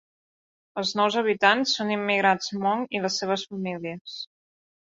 Els nous habitants són immigrants hmong i les seves famílies.